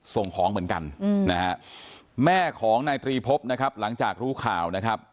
ส่งของเหมือนกันนะฮะแม่ของนายตรีพบนะครับหลังจากรู้ข่าวนะครับ